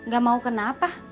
gak mau kenapa